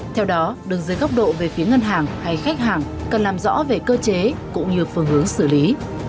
theo đó đường dưới góc độ về phía ngân hàng hay khách hàng cần làm rõ về cơ chế cũng như phương hướng xử lý